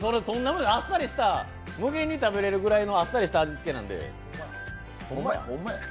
そんなことない、あっさりした、無限に食べれるぐらいのあっさりした味付けなんで。